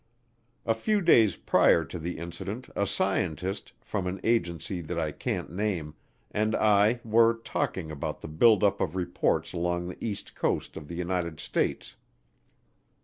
A few days prior to the incident a scientist, from an agency that I can't name, and I were talking about the build up of reports along the east coast of the United States.